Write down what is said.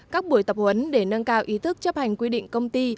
các buổi tập huấn để nâng cao ý thức chấp hành quy định công ty